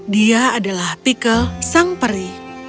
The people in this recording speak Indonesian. dia adalah pikel sangperi